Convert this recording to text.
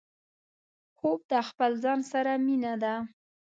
خوب د خپل ځان سره مينه ده